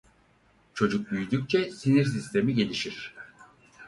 Çocuk büyüdükçe sinir sistemi gelişir.